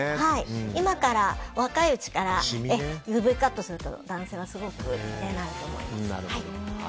今から、若いうちからＵＶカットすると男性は、すごくきれいになると思います。